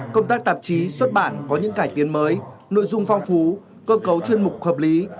công tác tạp chí xuất bản có những cải tiến mới nội dung phong phú cơ cấu chuyên mục hợp lý